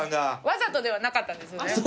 わざとではなかったんですよね。